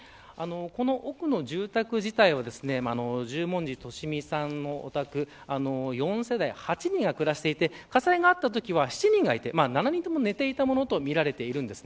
この奥の住宅は十文字利美さんのお宅４世代８人が暮らしていて火災があったときには７人がいて７人とも寝ていたとみられています。